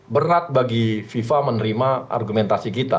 berat bagi fifa menerima argumentasi kita